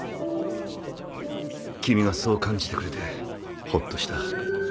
君がそう感じてくれてホッとした。